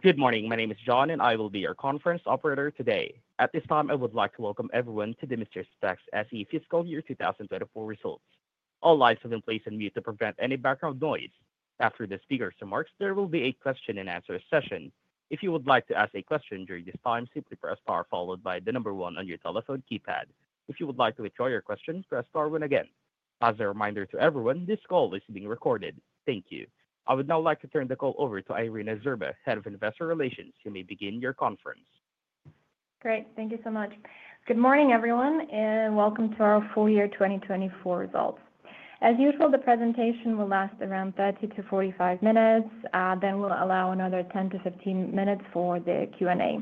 Good morning. My name is John, and I will be your conference operator today. At this time, I would like to welcome everyone to the Mister Spex SE Fiscal Year 2024 results. All lines have been placed on mute to prevent any background noise. After the speaker's remarks, there will be a question-and-answer session. If you would like to ask a question during this time, simply press star followed by the number one on your telephone keypad. If you would like to withdraw your question, press star one again. As a reminder to everyone, this call is being recorded. Thank you. I would now like to turn the call over to Irina Zhurba, Head of Investor Relations, who may begin your conference. Great. Thank you so much. Good morning, everyone, and welcome to our full year 2024 results. As usual, the presentation will last around 30-45 minutes. Then we will allow another 10-15 minutes for the Q&A.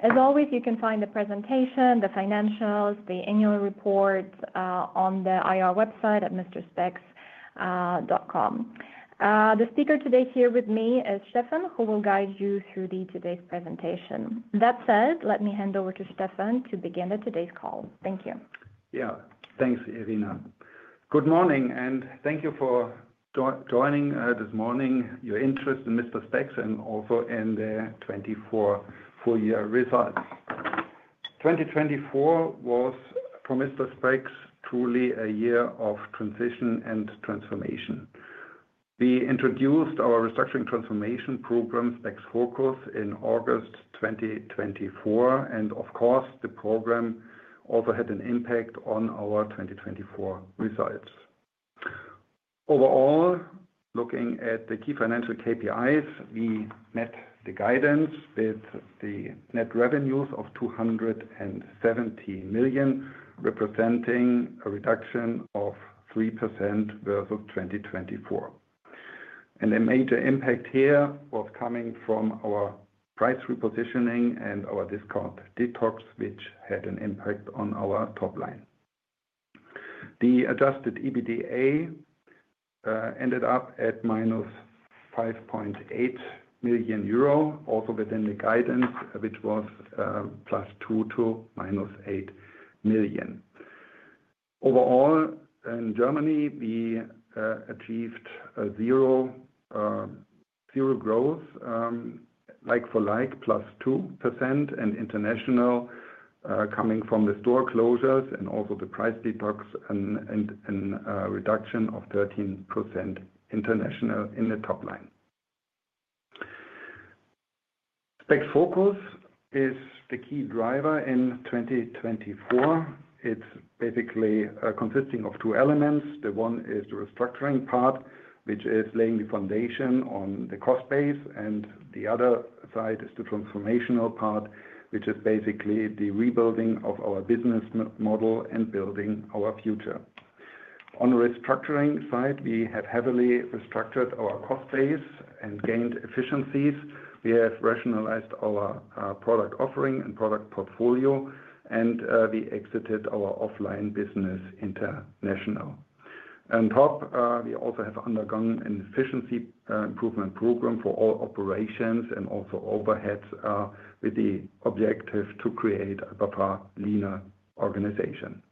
As always, you can find the presentation, the financials, the annual report on the IR website at misterspex.com. The speaker today here with me is Stephan, who will guide you through today's presentation. That said, let me hand over to Stephan to begin today's call. Thank you. Yeah, thanks, Irina. Good morning, and thank you for joining this morning, your interest in Mister Spex and also in the 2024 full year results. 2024 was, for Mister Spex, truly a year of transition and transformation. We introduced our restructuring transformation program, SpexFocus, in August 2024, and of course, the program also had an impact on our 2024 results. Overall, looking at the key financial KPIs, we met the guidance with the net revenues of 270 million, representing a reduction of 3% versus 2024. A major impact here was coming from our price repositioning and our discount detox, which had an impact on our top line. The adjusted EBITDA ended up at -5.8 million euro, also within the guidance, which was +2 million to minus 8 million. Overall, in Germany, we achieved zero growth, like for like, +2%, and international coming from the store closures and also the price detox and a reduction of 13% international in the top line. SpexFocus is the key driver in 2024. It's basically consisting of two elements. The one is the restructuring part, which is laying the foundation on the cost base, and the other side is the transformational part, which is basically the rebuilding of our business model and building our future. On the restructuring side, we have heavily restructured our cost base and gained efficiencies. We have rationalized our product offering and product portfolio, and we exited our offline business international. On top, we also have undergone an efficiency improvement program for all operations and also overhead with the objective to create a better leaner organization.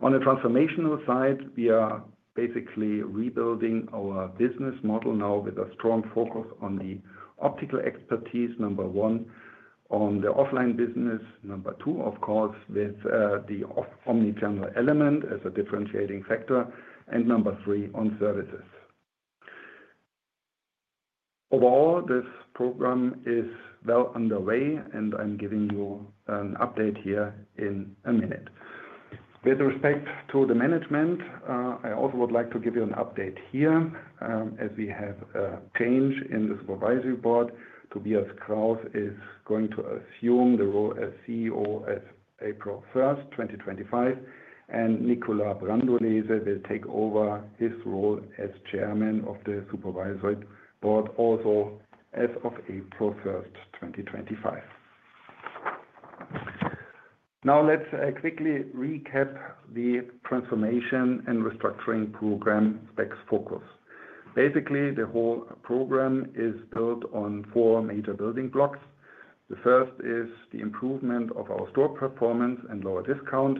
On the transformational side, we are basically rebuilding our business model now with a strong focus on the optical expertise, number one, on the offline business, number two, of course, with the omnichannel element as a differentiating factor, and number three, on services. Overall, this program is well underway, and I'm giving you an update here in a minute. With respect to the management, I also would like to give you an update here. As we have a change in the Supervisory Board, Tobias Krauss is going to assume the role as CEO as of April 1st, 2025, and Nicola Brandolese will take over his role as Chairman of the Supervisory Board also as of April 1st, 2025. Now, let's quickly recap the transformation and restructuring program, SpexFocus. Basically, the whole program is built on four major building blocks. The first is the improvement of our store performance and lower discount.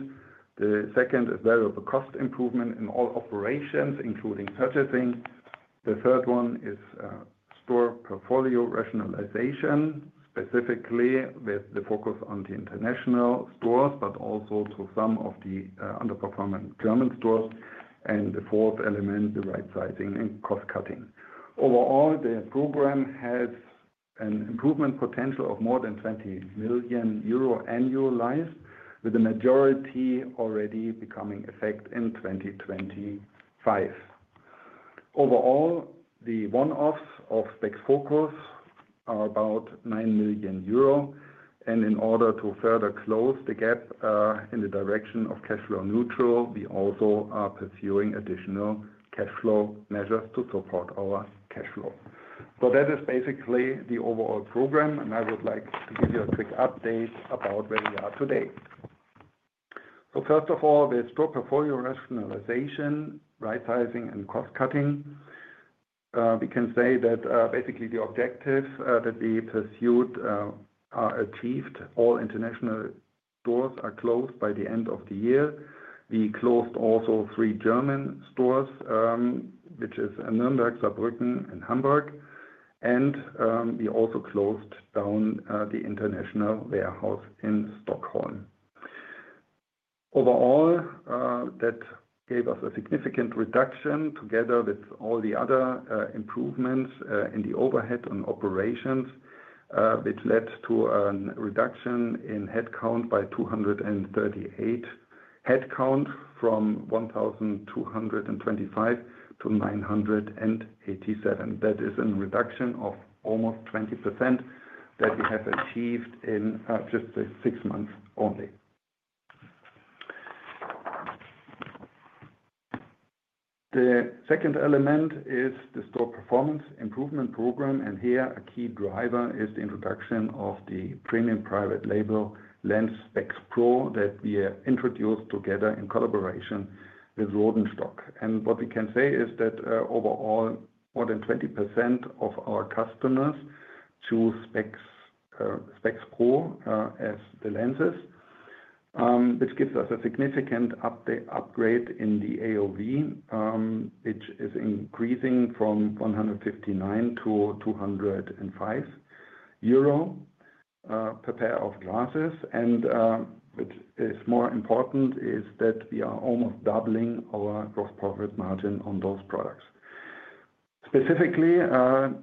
The second is variable cost improvement in all operations, including purchasing. The third one is store portfolio rationalization, specifically with the focus on the international stores, but also to some of the underperforming German stores. The fourth element is the right sizing and cost cutting. Overall, the program has an improvement potential of more than 20 million euro annualized, with the majority already becoming effect in 2025. Overall, the one-offs of SpexFocus are about 9 million euro. In order to further close the gap in the direction of cash flow neutral, we also are pursuing additional cash flow measures to support our cash flow. That is basically the overall program, and I would like to give you a quick update about where we are today. First of all, with store portfolio rationalization, right sizing, and cost cutting, we can say that basically the objectives that we pursued are achieved. All international stores are closed by the end of the year. We closed also three German stores, which are Nürnberg, Saarbrücken, and Hamburg. We also closed down the international warehouse in Stockholm. Overall, that gave us a significant reduction together with all the other improvements in the overhead and operations, which led to a reduction in headcount by 238 headcount from 1,225-987. That is a reduction of almost 20% that we have achieved in just six months only. The second element is the store performance improvement program, and here a key driver is the introduction of the premium private label lens SpexPro that we introduced together in collaboration with Rodenstock. What we can say is that overall, more than 20% of our customers choose SpexPro as the lenses, which gives us a significant upgrade in the AOV, which is increasing from 159-205 euro per pair of glasses. What is more important is that we are almost doubling our gross profit margin on those products. Specifically, I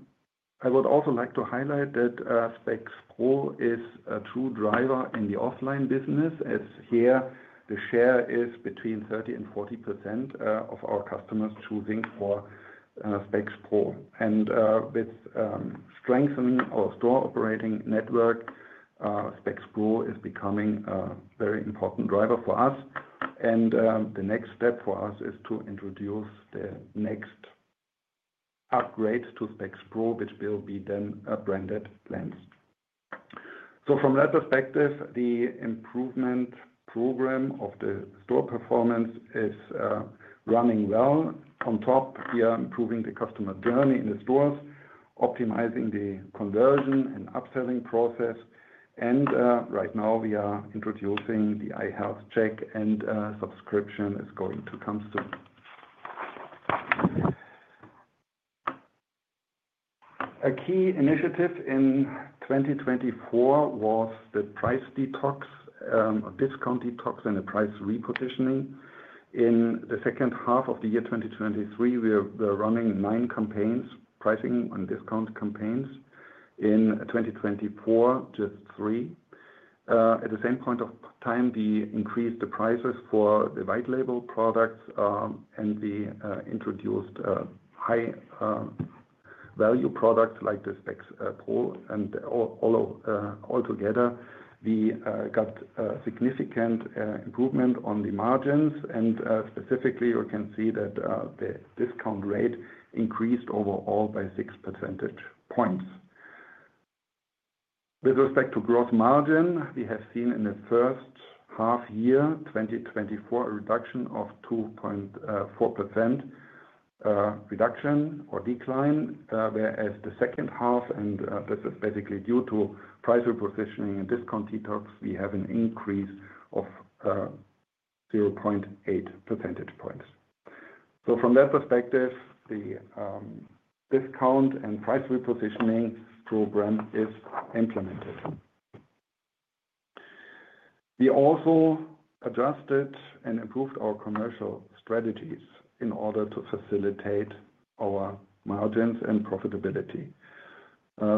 would also like to highlight that SpexPro is a true driver in the offline business, as here the share is between 30%-40% of our customers choosing for SpexPro. With strengthening our store operating network, SpexPro is becoming a very important driver for us. The next step for us is to introduce the next upgrade to SpexPro, which will be then a branded lens. From that perspective, the improvement program of the store performance is running well. On top, we are improving the customer journey in the stores, optimizing the conversion and upselling process. Right now, we are introducing the eye health check, and subscription is going to come soon. A key initiative in 2024 was the discount detox and the price repositioning. In the second half of the year 2023, we were running nine pricing and discount campaigns. In 2024, just three. At the same point of time, we increased the prices for the white label products and we introduced high-value products like the SpexPro. Altogether, we got significant improvement on the margins. Specifically, you can see that the discount rate increased overall by 6 percentage points. With respect to gross margin, we have seen in the first half year, 2024, a reduction of 2.4% reduction or decline, whereas the second half, and this is basically due to price repositioning and discount detox, we have an increase of 0.8 percentage points. From that perspective, the discount and price repositioning program is implemented. We also adjusted and improved our commercial strategies in order to facilitate our margins and profitability.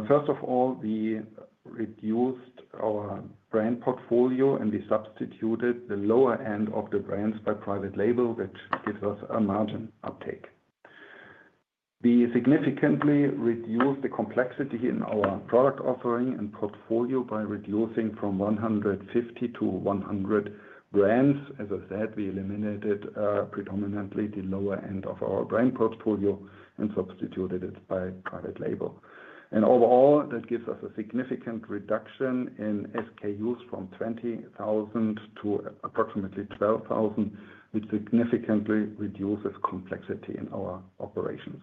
First of all, we reduced our brand portfolio and we substituted the lower end of the brands by private label, which gives us a margin uptake. We significantly reduced the complexity in our product offering and portfolio by reducing from 150-100 brands. As I said, we eliminated predominantly the lower end of our brand portfolio and substituted it by private label. Overall, that gives us a significant reduction in SKUs from 20,000 to approximately 12,000, which significantly reduces complexity in our operations.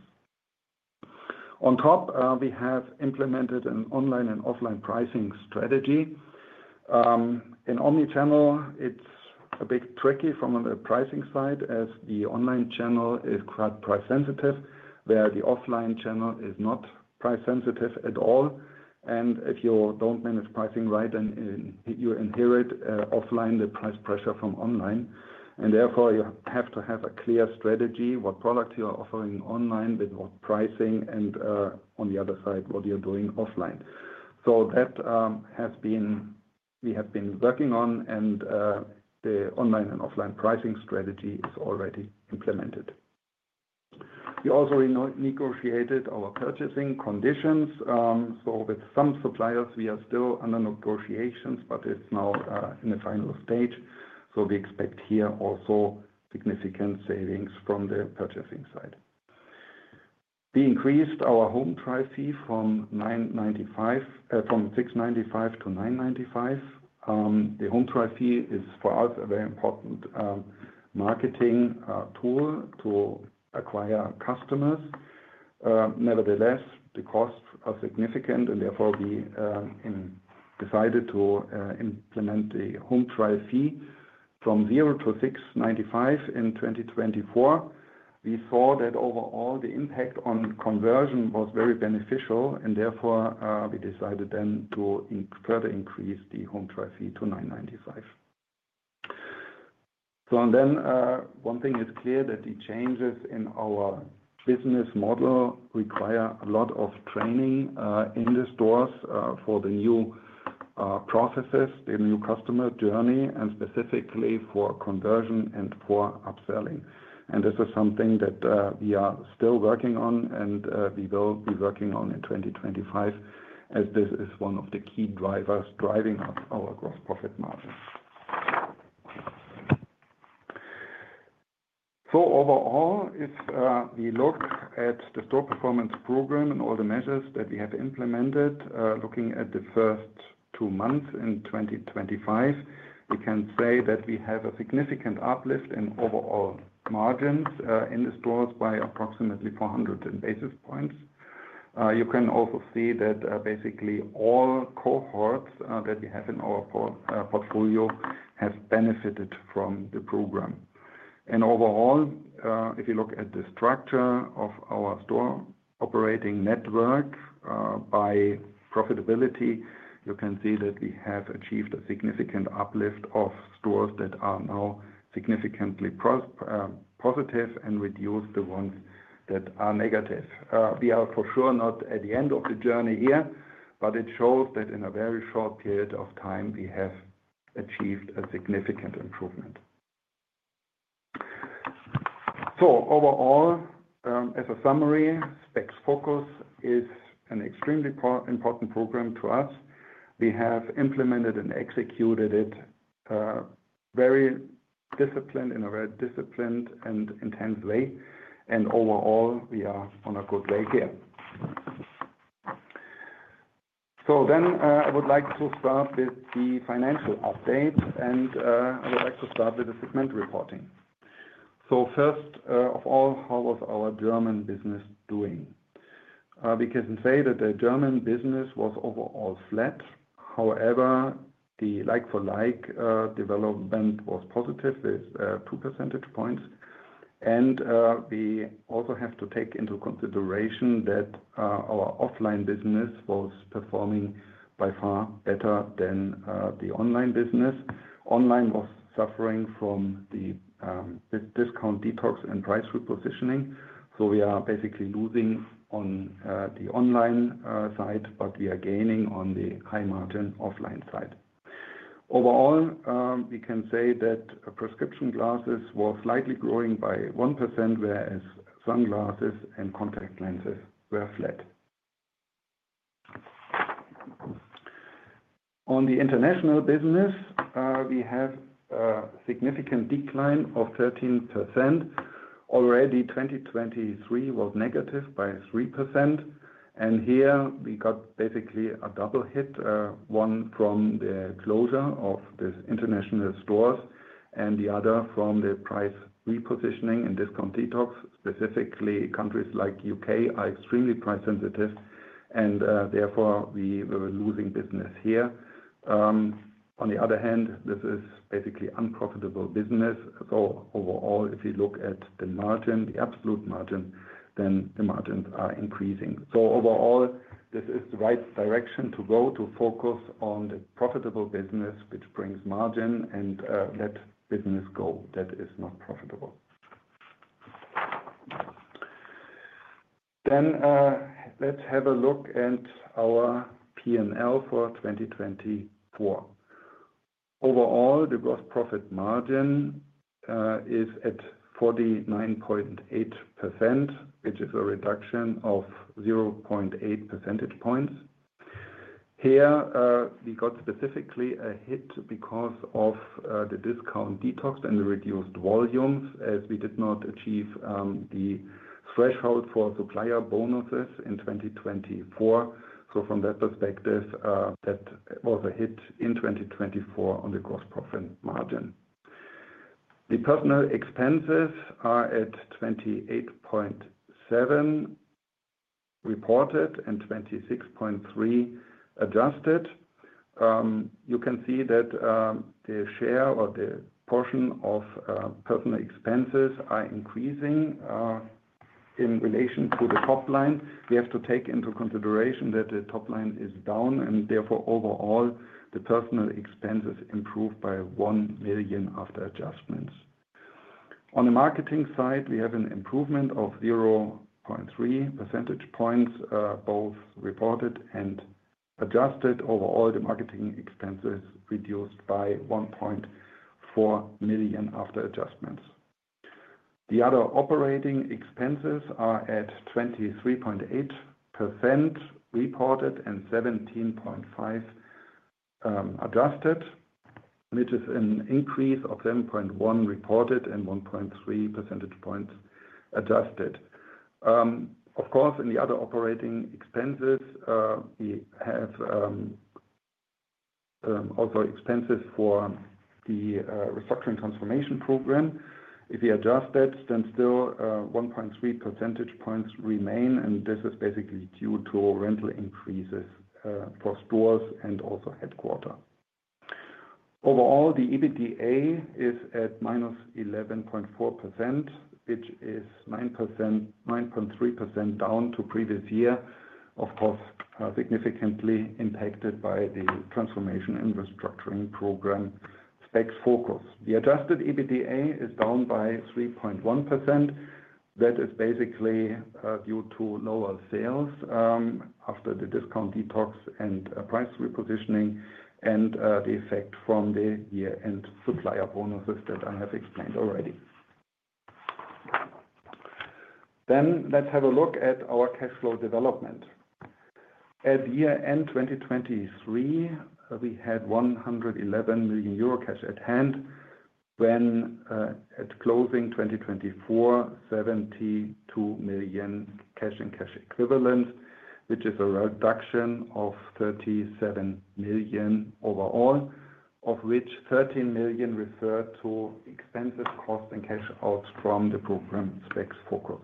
On top, we have implemented an online and offline pricing strategy. In omnichannel, it's a bit tricky from the pricing side, as the online channel is quite price sensitive, where the offline channel is not price sensitive at all. If you do not manage pricing right, then you inherit offline the price pressure from online. Therefore, you have to have a clear strategy, what products you are offering online with what pricing, and on the other side, what you are doing offline. That has been what we have been working on, and the online and offline pricing strategy is already implemented. We also negotiated our purchasing conditions. With some suppliers, we are still under negotiations, but it is now in the final stage. We expect here also significant savings from the purchasing side. We increased our home try fee from 6.95-9.95. The home try fee is, for us, a very important marketing tool to acquire customers. Nevertheless, the costs are significant, and therefore we decided to implement the home try fee from 0-6.95 in 2024. We saw that overall, the impact on conversion was very beneficial, and therefore we decided then to further increase the home try fee to 9.95. One thing is clear that the changes in our business model require a lot of training in the stores for the new processes, the new customer journey, and specifically for conversion and for upselling. This is something that we are still working on and we will be working on in 2025, as this is one of the key drivers driving up our gross profit margin. Overall, if we look at the store performance program and all the measures that we have implemented, looking at the first two months in 2025, we can say that we have a significant uplift in overall margins in the stores by approximately 400 basis points. You can also see that basically all cohorts that we have in our portfolio have benefited from the program. Overall, if you look at the structure of our store operating network by profitability, you can see that we have achieved a significant uplift of stores that are now significantly positive and reduce the ones that are negative. We are for sure not at the end of the journey here, but it shows that in a very short period of time, we have achieved a significant improvement. Overall, as a summary, SpexFocus is an extremely important program to us. We have implemented and executed it in a very disciplined and intense way. Overall, we are on a good way here. I would like to start with the financial update, and I would like to start with the segment reporting. First of all, how was our German business doing? We can say that the German business was overall flat. However, the like-for-like development was positive with 2 percentage points. We also have to take into consideration that our offline business was performing by far better than the online business. Online was suffering from the discount detox and price repositioning. We are basically losing on the online side, but we are gaining on the high-margin offline side. Overall, we can say that prescription glasses were slightly growing by 1%, whereas sunglasses and contact lenses were flat. On the international business, we have a significant decline of 13%. Already 2023 was negative by 3%. Here we got basically a double hit, one from the closure of the international stores and the other from the price repositioning and discount detox. Specifically, countries like the U.K. are extremely price sensitive, and therefore we were losing business here. On the other hand, this is basically unprofitable business. Overall, if you look at the margin, the absolute margin, then the margins are increasing. Overall, this is the right direction to go to focus on the profitable business, which brings margin and let business go that is not profitable. Let's have a look at our P&L for 2024. Overall, the gross profit margin is at 49.8%, which is a reduction of 0.8 percentage points. Here we got specifically a hit because of the discount detox and the reduced volumes, as we did not achieve the threshold for supplier bonuses in 2024. From that perspective, that was a hit in 2024 on the gross profit margin. The personal expenses are at 28.7% reported and 26.3% adjusted. You can see that the share or the portion of personal expenses are increasing in relation to the top line. We have to take into consideration that the top line is down, and therefore overall, the personal expenses improved by 1 million after adjustments. On the marketing side, we have an improvement of 0.3 percentage points, both reported and adjusted. Overall, the marketing expenses reduced by 1.4 million after adjustments. The other operating expenses are at 23.8% reported and 17.5% adjusted, which is an increase of 7.1 percentage points reported and 1.3 percentage points adjusted. Of course, in the other operating expenses, we have also expenses for the restructuring transformation program. If we adjust that, then still 1.3 percentage points remain, and this is basically due to rental increases for stores and also headquarter. Overall, the EBITDA is at -11.4%, which is 9.3% down to previous year, of course, significantly impacted by the transformation and restructuring program SpexFocus. The adjusted EBITDA is down by 3.1%. That is basically due to lower sales after the discount detox and price repositioning and the effect from the year-end supplier bonuses that I have explained already. Let's have a look at our cash flow development. At year-end 2023, we had 111 million euro cash at hand, when at closing 2024, 72 million cash and cash equivalent, which is a reduction of 37 million overall, of which 13 million referred to expenses, costs, and cash out from the program SpexFocus.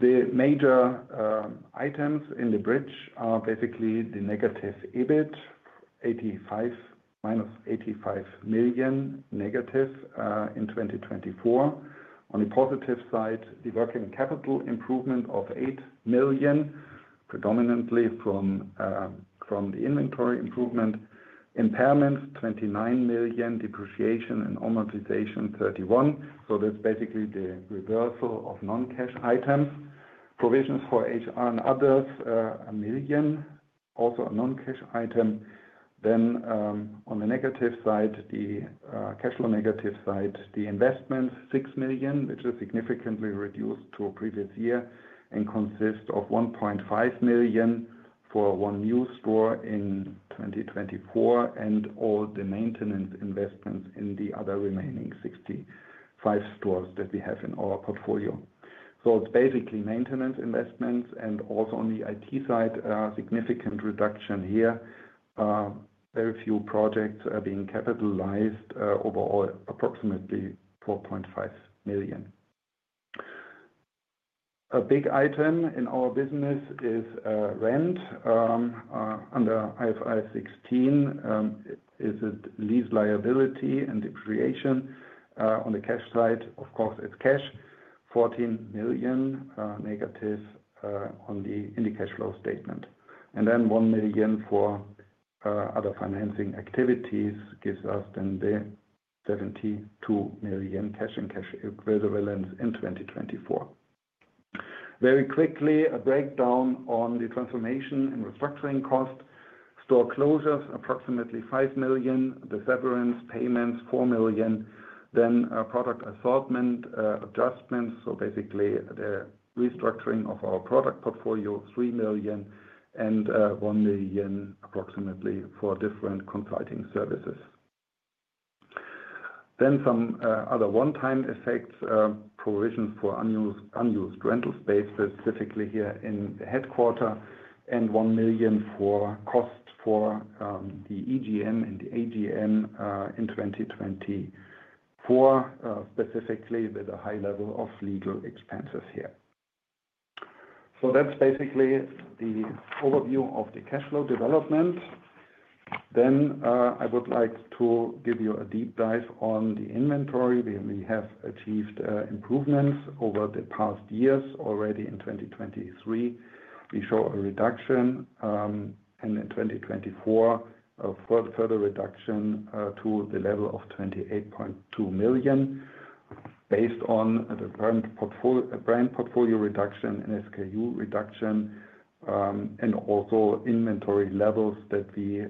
The major items in the bridge are basically the negative EBIT, EUR -85 million negative in 2024. On the positive side, the working capital improvement of 8 million, predominantly from the inventory improvement. Impairments, 29 million, depreciation and amortization, 31 million. That is basically the reversal of non-cash items. Provisions for HR and others, 1 million, also a non-cash item. On the negative side, the cash flow negative side, the investments, 6 million, which is significantly reduced to previous year and consists of 1.5 million for one new store in 2024 and all the maintenance investments in the other remaining 65 stores that we have in our portfolio. It is basically maintenance investments. Also on the IT side, a significant reduction here. Very few projects are being capitalized. Overall, approximately 4.5 million. A big item in our business is rent. Under IFRS 16, it is lease liability and depreciation. On the cash side, of course, it is cash, 14 million negative on the cash flow statement. Then 1 million for other financing activities gives us the 72 million cash and cash equivalents in 2024. Very quickly, a breakdown on the transformation and restructuring cost. Store closures, approximately 5 million. Severance payments, 4 million. Then product assortment adjustments. Basically the restructuring of our product portfolio, 3 million and 1 million approximately for different consulting services. Some other one-time effects, provisions for unused rental space, specifically here in the headquarter, and 1 million for cost for the EGM and the AGM in 2024, specifically with a high level of legal expenses here. That is basically the overview of the cash flow development. I would like to give you a deep dive on the inventory. We have achieved improvements over the past years. Already in 2023, we show a reduction, and in 2024, a further reduction to the level of 28.2 million based on the current brand portfolio reduction and SKU reduction and also inventory levels that we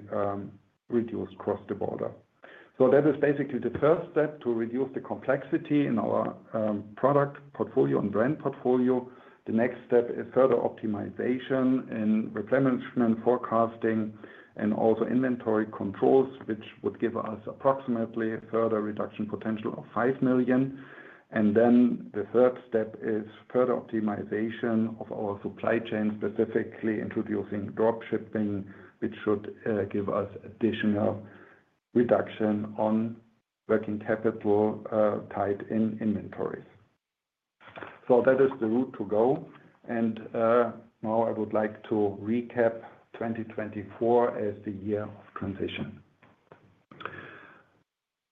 reduced across the border. That is basically the first step to reduce the complexity in our product portfolio and brand portfolio. The next step is further optimization and replenishment forecasting and also inventory controls, which would give us approximately a further reduction potential of 5 million. The third step is further optimization of our supply chain, specifically introducing dropshipping, which should give us additional reduction on working capital tied in inventories. That is the route to go. Now I would like to recap 2024 as the year of transition.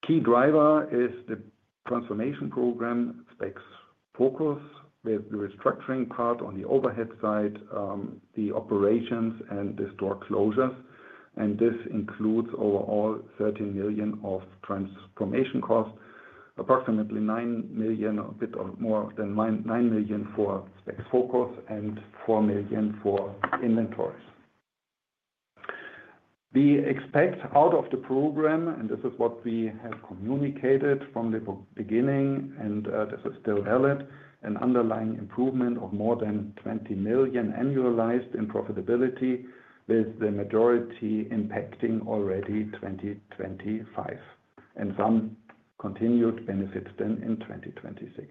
Key driver is the transformation program, SpexFocus, with the restructuring part on the overhead side, the operations, and the store closures. This includes overall 13 million of transformation cost, approximately 9 million or a bit more than 9 million for SpexFocus and 4 million for inventories. We expect out of the program, and this is what we have communicated from the beginning, and this is still valid, an underlying improvement of more than 20 million annualized in profitability, with the majority impacting already 2025 and some continued benefits then in 2026.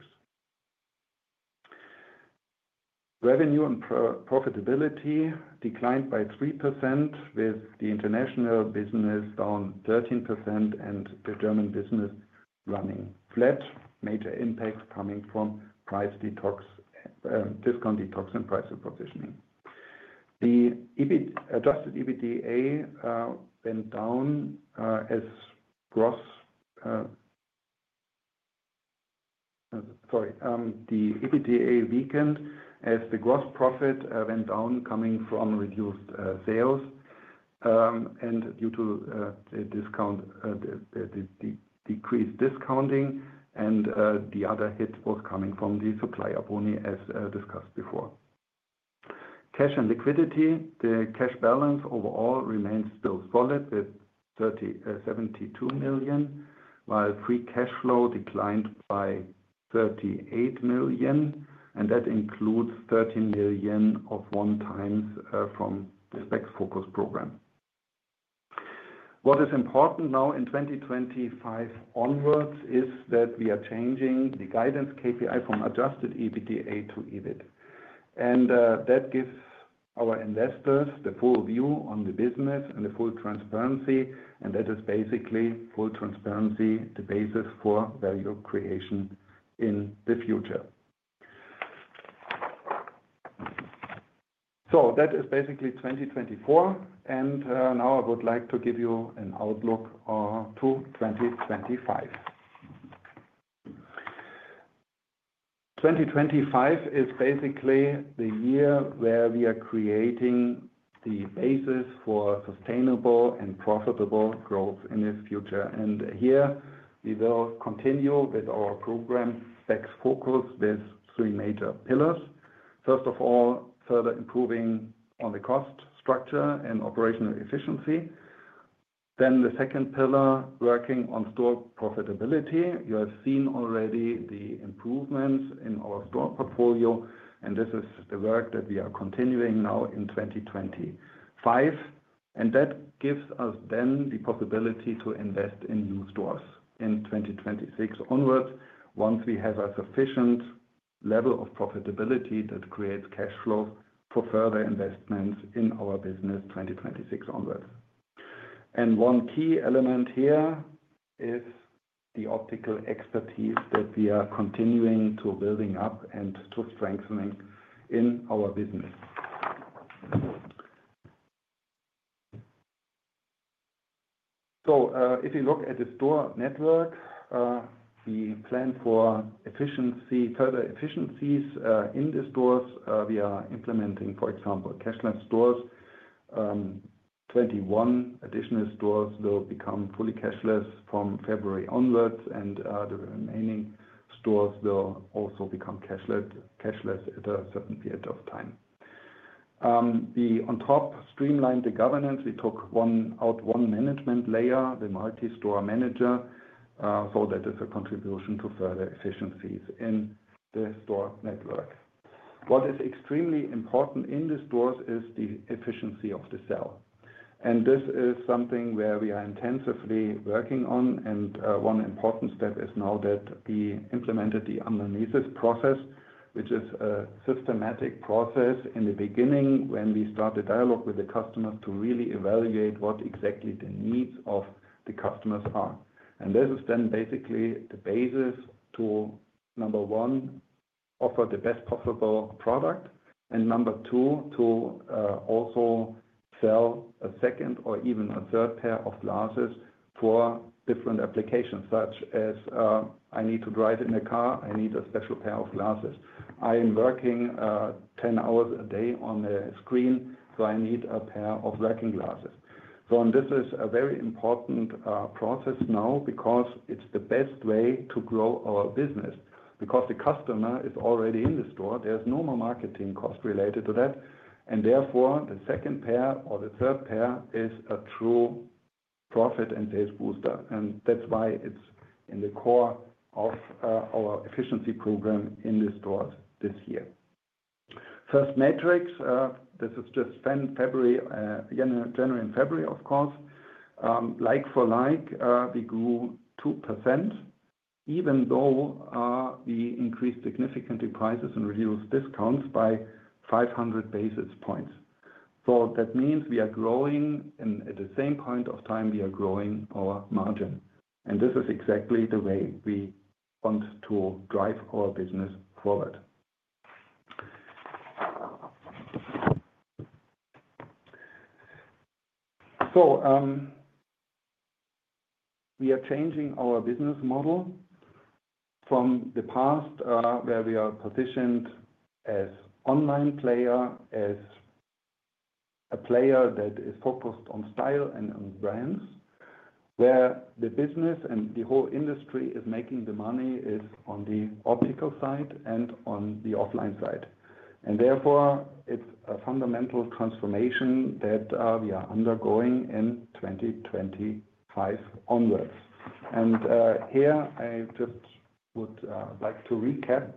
Revenue and profitability declined by 3%, with the international business down 13% and the German business running flat. Major impact coming from price detox, discount detox, and price repositioning. The adjusted EBITDA went down as gross, sorry, the EBITDA weakened as the gross profit went down coming from reduced sales and due to the decreased discounting. The other hit was coming from the supplier bonus, as discussed before. Cash and liquidity, the cash balance overall remains still solid with 72 million, while free cash flow declined by 38 million. That includes 13 million of one times from the SpexFocus program. What is important now in 2025 onwards is that we are changing the guidance KPI from adjusted EBITDA to EBIT. That gives our investors the full view on the business and the full transparency. That is basically full transparency, the basis for value creation in the future. That is basically 2024. Now I would like to give you an outlook to 2025. 2025 is basically the year where we are creating the basis for sustainable and profitable growth in the future. Here we will continue with our program, SpexFocus, with three major pillars. First of all, further improving on the cost structure and operational efficiency. The second pillar, working on store profitability. You have seen already the improvements in our store portfolio, and this is the work that we are continuing now in 2025. That gives us then the possibility to invest in new stores in 2026 onwards, once we have a sufficient level of profitability that creates cash flow for further investments in our business 2026 onwards. One key element here is the optical expertise that we are continuing to build up and to strengthen in our business. If you look at the store network, we plan for further efficiencies in the stores. We are implementing, for example, cashless stores. Twenty-one additional stores will become fully cashless from February onwards, and the remaining stores will also become cashless at a certain period of time. On top, we streamlined the governance. We took out one management layer, the multi-store manager. That is a contribution to further efficiencies in the store network. What is extremely important in the stores is the efficiency of the cell. This is something where we are intensively working on. One important step is now that we implemented the analysis process, which is a systematic process in the beginning when we start the dialogue with the customers to really evaluate what exactly the needs of the customers are. This is then basically the basis to, number one, offer the best possible product, and number two, to also sell a second or even a third pair of glasses for different applications, such as, "I need to drive in a car. I need a special pair of glasses. I am working 10 hours a day on a screen, so I need a pair of working glasses." This is a very important process now because it is the best way to grow our business. The customer is already in the store, there is no more marketing cost related to that. Therefore, the second pair or the third pair is a true profit and sales booster. That is why it is in the core of our efficiency program in the stores this year. First metrics, this is just January and February, of course. Like for like, we grew 2%, even though we increased significantly prices and reduced discounts by 500 basis points. That means we are growing, and at the same point of time, we are growing our margin. This is exactly the way we want to drive our business forward. We are changing our business model from the past, where we are positioned as an online player, as a player that is focused on style and on brands, where the business and the whole industry is making the money is on the optical side and on the offline side. It is a fundamental transformation that we are undergoing in 2025 onwards. Here, I just would like to recap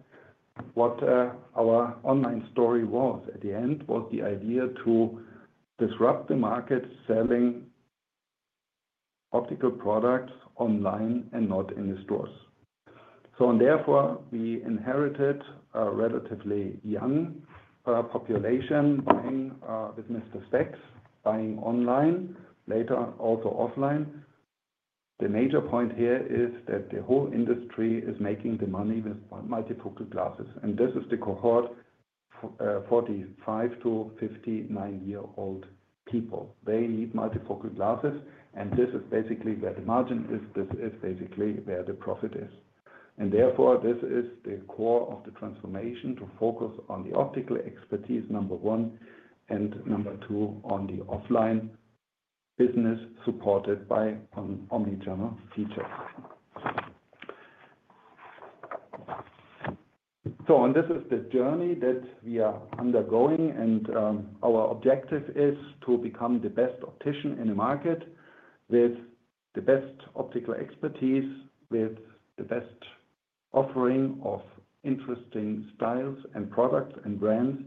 what our online story was. At the end, it was the idea to disrupt the market selling optical products online and not in the stores. Therefore, we inherited a relatively young population buying with Mister Spex, buying online, later also offline. The major point here is that the whole industry is making the money with multifocal glasses. This is the cohort, 45-59-year-old people. They need multifocal glasses. This is basically where the margin is. This is basically where the profit is. Therefore, this is the core of the transformation to focus on the optical expertise, number one, and number two, on the offline business supported by Omnichannel features. This is the journey that we are undergoing. Our objective is to become the best optician in the market with the best optical expertise, with the best offering of interesting styles and products and brands,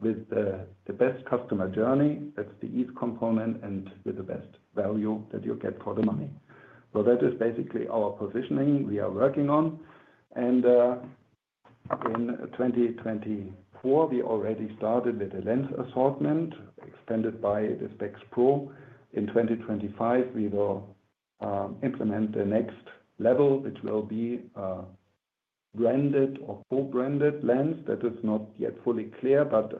with the best customer journey. That is the ease component and with the best value that you get for the money. That is basically our positioning we are working on. In 2024, we already started with a lens assortment extended by the SpexPro. In 2025, we will implement the next level, which will be a branded or co-branded lens. That is not yet fully clear, but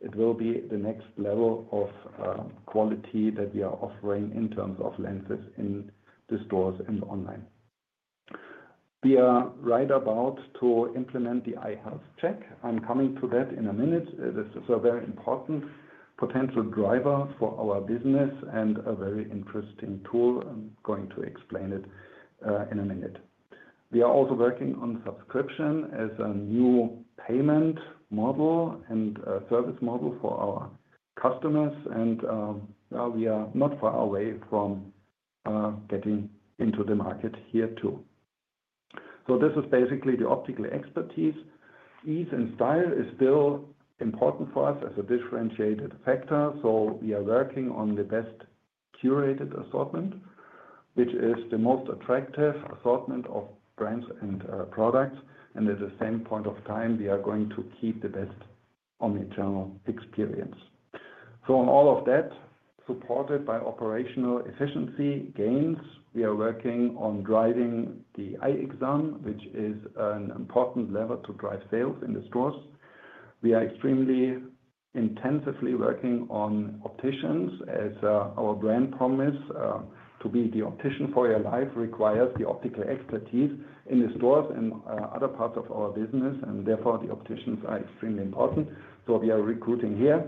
it will be the next level of quality that we are offering in terms of lenses in the stores and online. We are right about to implement the eye health check. I am coming to that in a minute. This is a very important potential driver for our business and a very interesting tool. I'm going to explain it in a minute. We are also working on subscription as a new payment model and service model for our customers. We are not far away from getting into the market here too. This is basically the optical expertise. Ease and style is still important for us as a differentiated factor. We are working on the best curated assortment, which is the most attractive assortment of brands and products. At the same point of time, we are going to keep the best omnichannel experience. All of that, supported by operational efficiency gains, we are working on driving the eye exam, which is an important lever to drive sales in the stores. We are extremely intensively working on opticians as our brand promise to be the optician for your life requires the optical expertise in the stores and other parts of our business. Therefore, the opticians are extremely important. We are recruiting here.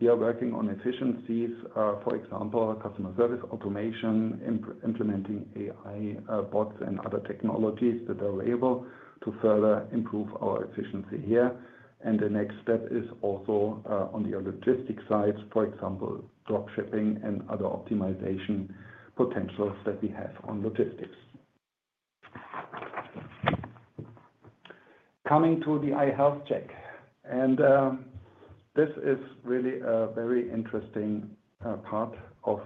We are working on efficiencies, for example, customer service automation, implementing AI bots and other technologies that are available to further improve our efficiency here. The next step is also on the logistics side, for example, dropshipping and other optimization potentials that we have on logistics. Coming to the eye health check. This is really a very interesting part of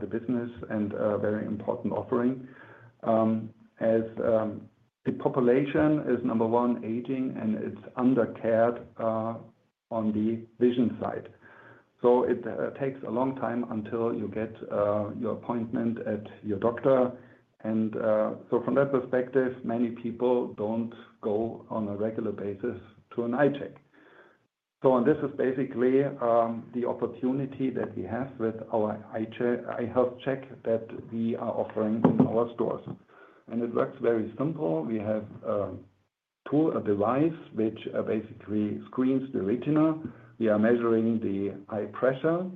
the business and a very important offering. As the population is number one aging and it is undercared on the vision side. It takes a long time until you get your appointment at your doctor. From that perspective, many people do not go on a regular basis to an eye check. This is basically the opportunity that we have with our eye health check that we are offering in our stores. It works very simply. We have a tool, a device, which basically screens the retina. We are measuring the eye pressure.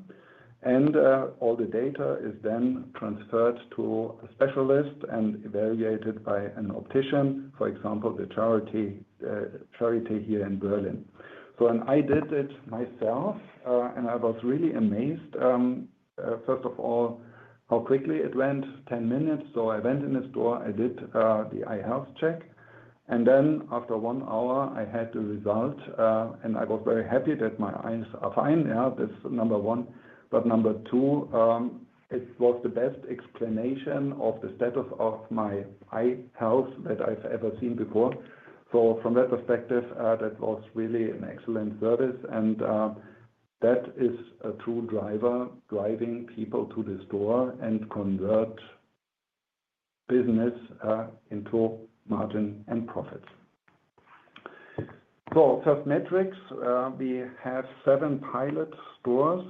All the data is then transferred to a specialist and evaluated by an optician, for example, the Charité here in Berlin. I did it myself, and I was really amazed. First of all, how quickly it went, 10 minutes. I went in the store, I did the eye health check. After one hour, I had the result. I was very happy that my eyes are fine. That is number one. Number two, it was the best explanation of the status of my eye health that I've ever seen before. From that perspective, that was really an excellent service. That is a true driver, driving people to the store and convert business into margin and profits. First metrics, we have seven pilot stores.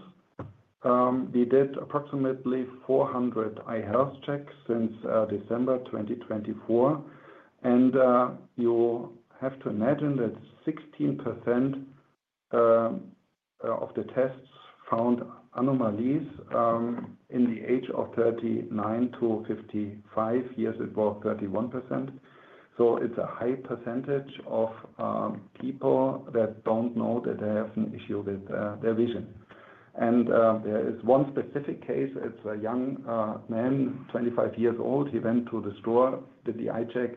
We did approximately 400 eye health checks since December 2024. You have to imagine that 16% of the tests found anomalies in the age of 39-55. Here, it's about 31%. It's a high percentage of people that don't know that they have an issue with their vision. There is one specific case. It's a young man, 25 years old. He went to the store, did the eye check,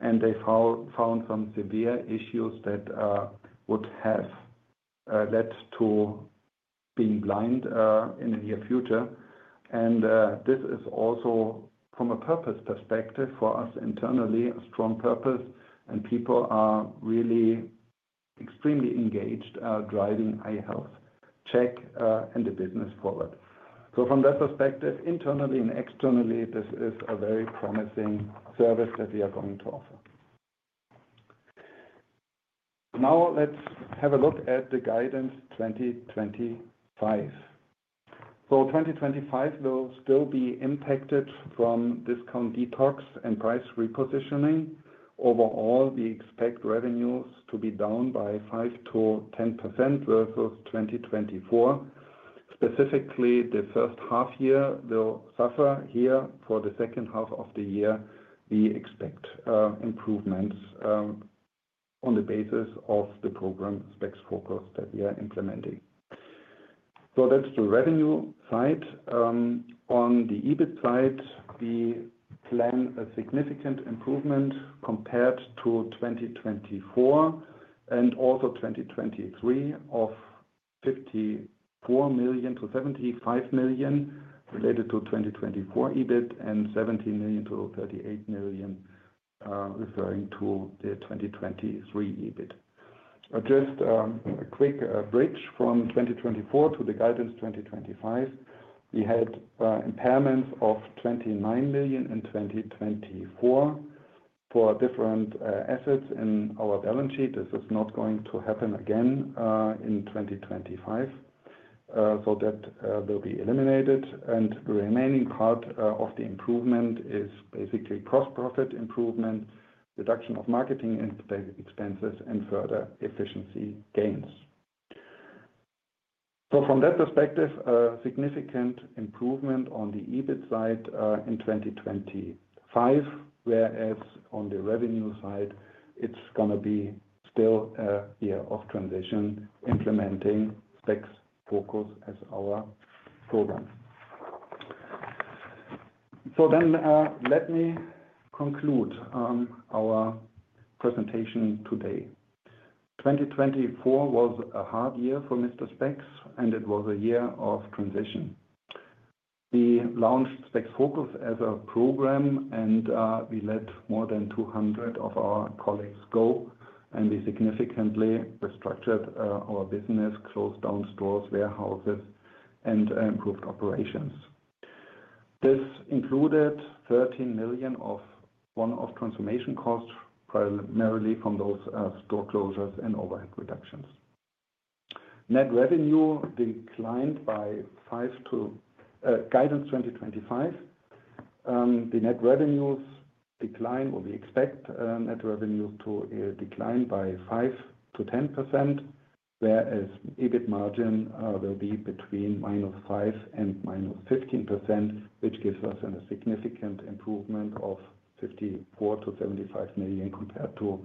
and they found some severe issues that would have led to being blind in the near future. This is also from a purpose perspective for us internally, a strong purpose. People are really extremely engaged driving eye health check and the business forward. From that perspective, internally and externally, this is a very promising service that we are going to offer. Now let's have a look at the guidance 2025. 2025 will still be impacted from discount detox and price repositioning. Overall, we expect revenues to be down by 5-10% versus 2024. Specifically, the first half year will suffer. For the second half of the year, we expect improvements on the basis of the program, SpexFocus, that we are implementing. That is the revenue side. On the EBIT side, we plan a significant improvement compared to 2024 and also 2023 of 54 million-75 million related to 2024 EBIT and 17 million-38 million referring to the 2023 EBIT. Just a quick bridge from 2024 to the guidance 2025. We had impairments of 29 million in 2024 for different assets in our balance sheet. This is not going to happen again in 2025. That will be eliminated. The remaining part of the improvement is basically gross-profit improvement, reduction of marketing expenses, and further efficiency gains. From that perspective, significant improvement on the EBIT side in 2025, whereas on the revenue side, it's going to be still a year of transition implementing SpexFocus as our program. Let me conclude our presentation today. 2024 was a hard year for Mister Spex, and it was a year of transition. We launched SpexFocus as a program, and we let more than 200 of our colleagues go. We significantly restructured our business, closed down stores, warehouses, and improved operations. This included 13 million of transformation costs, primarily from those store closures and overhead reductions. Net revenue declined by guidance 2025. The net revenues decline, or we expect net revenues to decline by 5%-10%, whereas EBIT margin will be between -5% and -15%, which gives us a significant improvement of 54-75 million compared to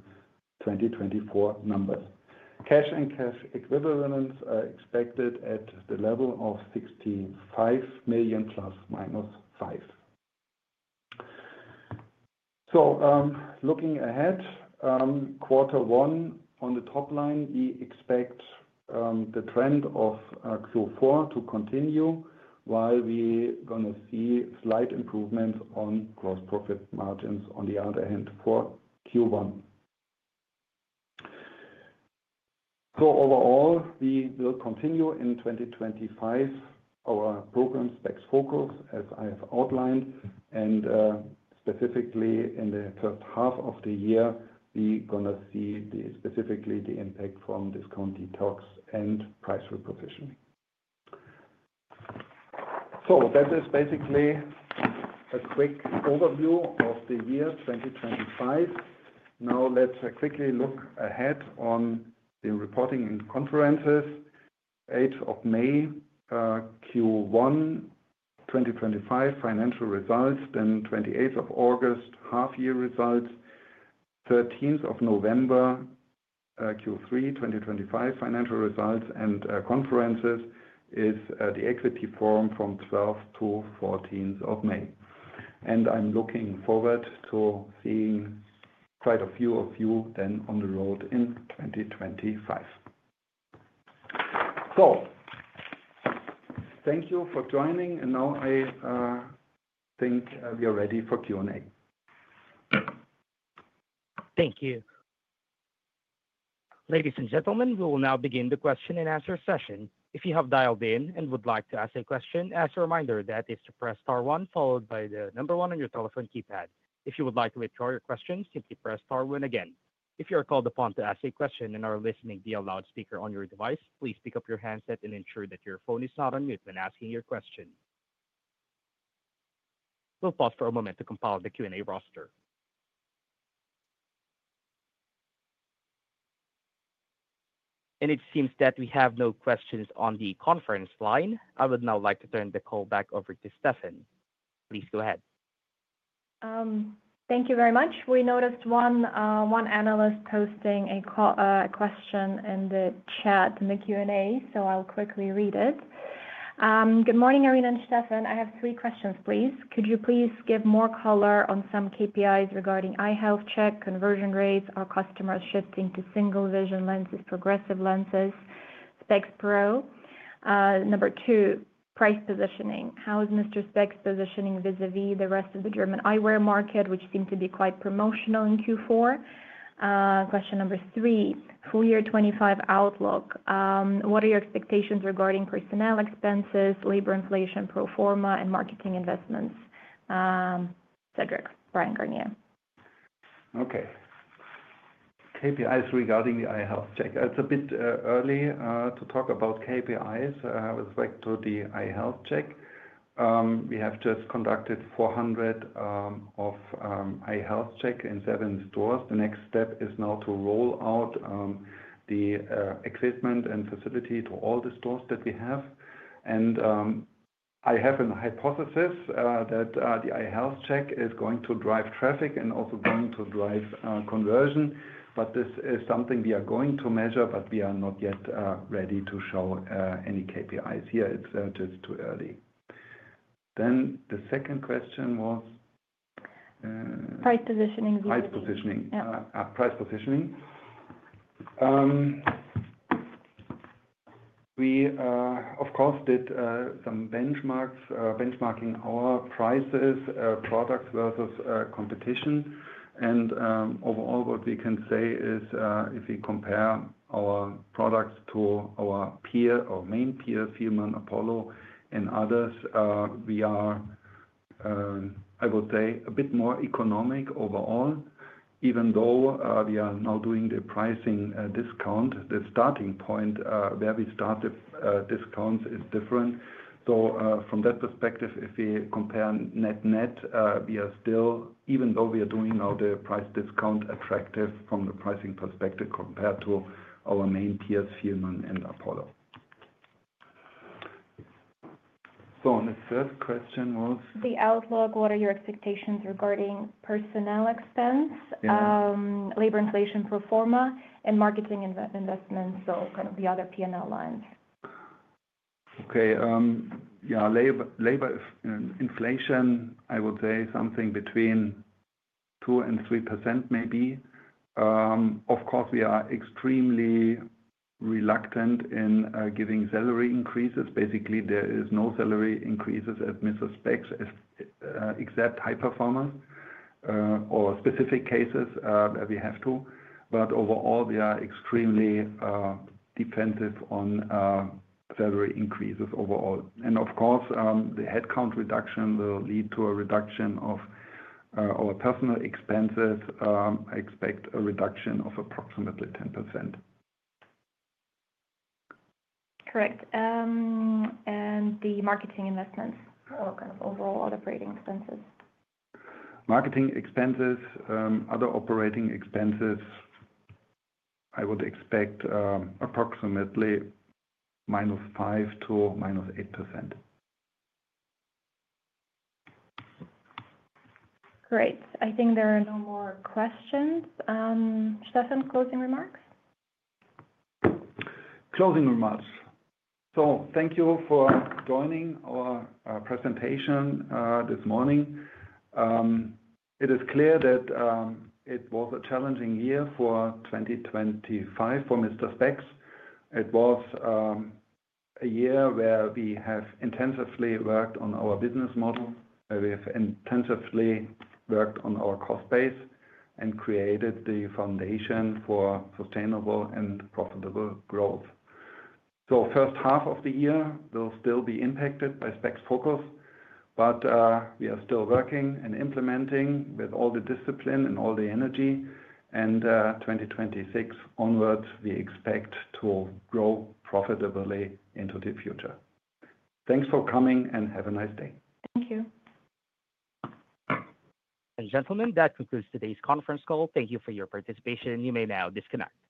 2024 numbers. Cash and cash equivalents are expected at the level of 65 million plus minus 5. Looking ahead, quarter one on the top line, we expect the trend of Q4 to continue while we are going to see slight improvements on gross profit margins on the other hand for Q1. Overall, we will continue in 2025 our program, SpexFocus, as I have outlined. Specifically in the first half of the year, we're going to see specifically the impact from discount detox and price repositioning. That is basically a quick overview of the year 2025. Now let's quickly look ahead on the reporting and conferences. 8th of May, Q1 2025 financial results. 28th of August, half-year results. 13th of November, Q3 2025 financial results and conferences is the Equity Forum from 12th-14th of May. I'm looking forward to seeing quite a few of you then on the road in 2025. Thank you for joining. I think we are ready for Q&A. Thank you. Ladies and gentlemen, we will now begin the question-and-answer session. If you have dialed in and would like to ask a question, as a reminder, that is to press star one followed by the number one on your telephone keypad. If you would like to withdraw your question, simply press star one again. If you are called upon to ask a question and are listening via loudspeaker on your device, please pick up your handset and ensure that your phone is not on mute when asking your question. We will pause for a moment to compile the Q&A roster. It seems that we have no questions on the conference line. I would now like to turn the call back over to Stephan. Please go ahead. Thank you very much. We noticed one analyst posting a question in the chat in the Q&A, so I will quickly read it. Good morning, Irina and Stephan. I have three questions, please. Could you please give more color on some KPIs regarding eye health check, conversion rates, our customers shifting to single vision lenses, progressive lenses, SpexPro? Number two, price positioning. How is Mister Spex positioning vis-à-vis the rest of the German eyewear market, which seemed to be quite promotional in Q4? Question number three, full year 2025 outlook. What are your expectations regarding personnel expenses, labor inflation, pro forma, and marketing investments? Cedric, Bryan Garnier. Okay. KPIs regarding the eye health check. It's a bit early to talk about KPIs with respect to the eye health check. We have just conducted 400 of eye health checks in seven stores. The next step is now to roll out the equipment and facility to all the stores that we have. I have a hypothesis that the eye health check is going to drive traffic and also going to drive conversion. This is something we are going to measure, but we are not yet ready to show any KPIs here. It's just too early. The second question was price positioning vision. Price positioning. Price positioning. We, of course, did some benchmarking, our prices, products versus competition. Overall, what we can say is if we compare our products to our main peer, Fielmann, Apollo, and others, we are, I would say, a bit more economic overall, even though we are now doing the pricing discount. The starting point where we started discounts is different. From that perspective, if we compare net net, we are still, even though we are doing now the price discount, attractive from the pricing perspective compared to our main peers, Fielmann and Apollo. The third question was. The outlook, what are your expectations regarding personnel expense, labor inflation, pro forma, and marketing investments, so kind of the other P&L lines? Okay. Yeah, labor inflation, I would say something between 2%-3% maybe. Of course, we are extremely reluctant in giving salary increases. Basically, there is no salary increases at Mister Spex except high performance or specific cases that we have to. Overall, we are extremely defensive on salary increases overall. Of course, the headcount reduction will lead to a reduction of our personnel expenses. I expect a reduction of approximately 10%. Correct. The marketing investments, kind of overall operating expenses? Marketing expenses, other operating expenses, I would expect approximately -5% to -8%. Great. I think there are no more questions. Stephan, closing remarks? Closing remarks. Thank you for joining our presentation this morning. It is clear that it was a challenging year for 2025 for Mister Spex. It was a year where we have intensively worked on our business model, where we have intensively worked on our cost base and created the foundation for sustainable and profitable growth. The first half of the year will still be impacted by SpexFocus, but we are still working and implementing with all the discipline and all the energy. From 2026 onwards, we expect to grow profitably into the future. Thanks for coming and have a nice day. Thank you. Ladies and gentlemen, that concludes today's conference call. Thank you for your participation. You may now disconnect.